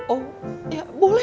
oh ya boleh